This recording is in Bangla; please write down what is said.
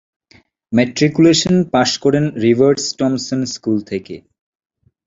ম্যাট্রিকুলেশন পাশ করেন রিভার্স টমসন স্কুল থেকে।